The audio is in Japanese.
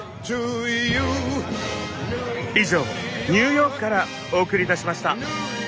以上ニューヨークからお送りいたしました。